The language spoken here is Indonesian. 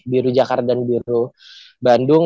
biru jakarta dan biru bandung